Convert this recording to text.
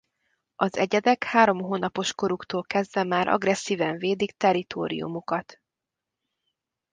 Az egyedek három hónapos koruktól kezdve már agresszíven védik territóriumukat.